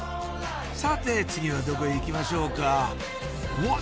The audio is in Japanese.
さて次はどこへ行きましょうかわっ！